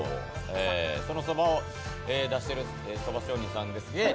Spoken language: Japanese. そのそばを出しているそば職人さんです。